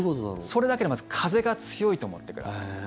それだけで、まず風が強いと思ってください。